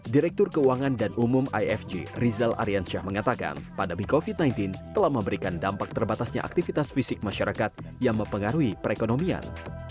direktur keuangan dan umum ifj rizal aryansyah mengatakan pandemi covid sembilan belas telah memberikan dampak terbatasnya aktivitas fisik masyarakat yang mempengaruhi perekonomian